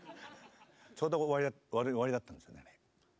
ちょうど終わりだったんですよね。